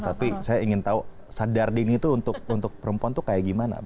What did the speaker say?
tapi saya ingin tahu sadar dini itu untuk perempuan tuh kayak gimana